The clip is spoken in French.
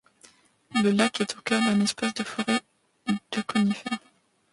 Le lac est au cœur d'un espace de forêt de conifères.